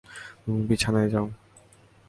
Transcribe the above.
তুমি বিছানায় যাও।